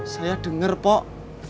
saya denger pok